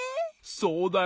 そうだよな。